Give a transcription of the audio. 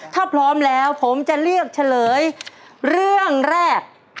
ถ้าพร้อมแล้วผมจะเลือกเฉลยเรื่องแรก